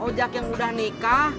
ojak yang udah nikah